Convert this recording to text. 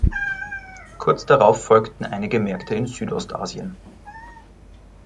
Kurz darauf folgten einige Märkte in Südostasien.